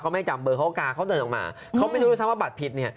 เขาไม่จำเบอร์เขากลางเขาเดินออกมาเขาไม่รู้ซะว่าบัตรผิด